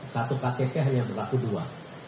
satu ktp hanya berlaku dua